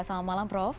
selamat malam prof